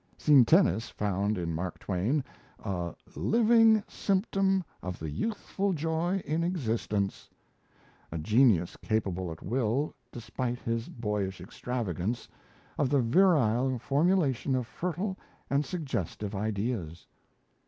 Sintenis found in Mark Twain a "living symptom of the youthful joy in existence" a genius capable at will, despite his "boyish extravagance," of the virile formulation of fertile and suggestive ideas.